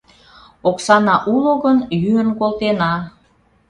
Оксана уло гын, йӱын колтена.